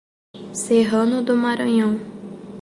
Serrano do Maranhão